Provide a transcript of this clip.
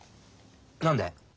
何で？